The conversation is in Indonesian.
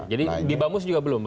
jadi di bamus juga belum